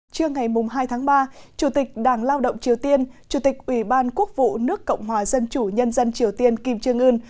trưa ngày hai tháng ba chủ tịch đảng lao động triều tiên chủ tịch ủy ban quốc vụ nước cộng hòa dân chủ nhân dân triều tiên kim trương ưn